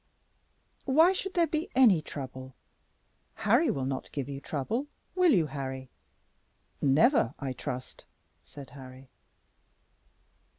"Why should there be any trouble? Harry will not give you trouble; will you, Harry?" "Never, I trust," said Harry.